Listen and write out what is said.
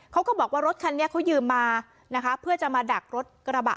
เขาก็บอกว่ารถคันนี้เขายืมมานะคะเพื่อจะมาดักรถกระบะ